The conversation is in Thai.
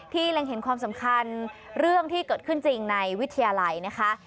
เล็งเห็นความสำคัญเรื่องที่เกิดขึ้นจริงในวิทยาลัยนะคะ